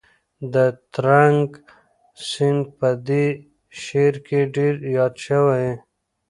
د ترنک سیند په دې شعر کې ډېر یاد شوی دی.